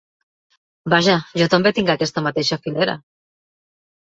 Vaja, jo també tinc aquesta mateixa filera.